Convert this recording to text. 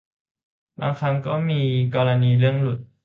บางครั้งมีกรณีเรื่องหลุด